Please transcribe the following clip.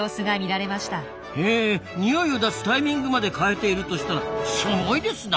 へえ匂いを出すタイミングまで変えているとしたらすごいですな！